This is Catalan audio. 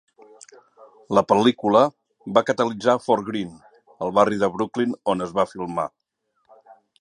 La pel·lícula va catalitzar Fort Greene, el barri de Brooklyn on es va filmar.